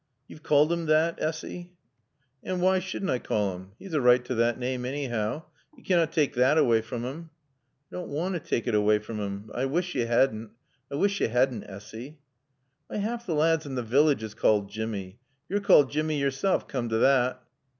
"Yo've called 'im thot, Essy?" "An' why sudn' I call 'im? 'E's a right to thot naame, annyhow. Yo' caann't taake thot awaay from 'im." "I dawn' want t' taake it away from 'im. But I wish yo' 'adn'. I wish you 'adn', Essy." "Why 'alf t' lads in t' village is called Jimmy. Yo're called Jimmy yourself, coom t' thot."